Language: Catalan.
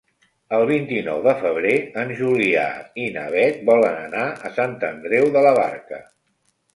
El vint-i-nou de febrer en Julià i na Beth volen anar a Sant Andreu de la Barca.